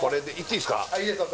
・いいですよ